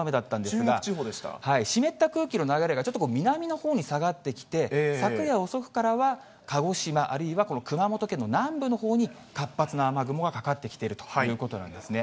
湿った空気の流れが、ちょっと南のほうに下がってきて、昨夜遅くからは、鹿児島、あるいはこの熊本県の南部のほうに、活発な雨雲がかかってきているということなんですね。